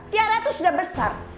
tiara itu sudah besar